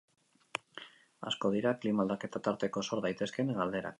Asko dira klima aldaketa tarteko sor daitezkeen galderak.